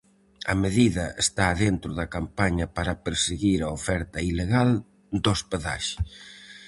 A medida está dentro da campaña para perseguir a oferta ilegal de hospedaxe.